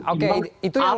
oke itu yang